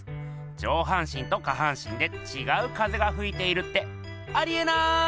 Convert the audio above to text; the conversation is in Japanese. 上半身と下半身でちがう風がふいているってありえない！